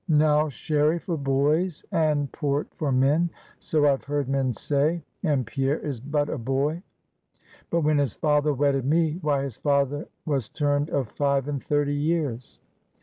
Now, Sherry for boys, and Port for men so I've heard men say; and Pierre is but a boy; but when his father wedded me, why, his father was turned of five and thirty years.